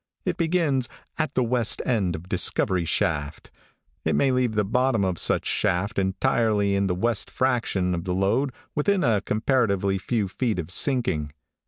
It begins 'at the west end of discovery shaft,' it may leave the bottom of such shaft entirely in the west fraction of the lode within a comparatively few feet of sinking.